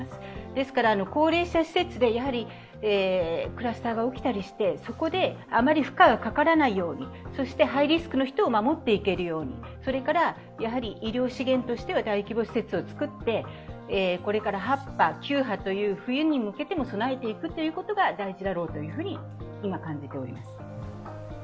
ですから、高齢者施設でクラスターが起きたりしてそこであまり負荷がかからないように、そして、ハイリスクの人を守っていけるように、医療資源としては大規模施設を造って、これから８波、９波と冬に向けて備えていくということが大事だろうと今、感じております。